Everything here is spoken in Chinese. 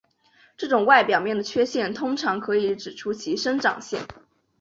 这种外表面的缺陷通常可以指出其生长线。